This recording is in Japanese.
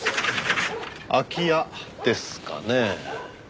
空き家ですかね？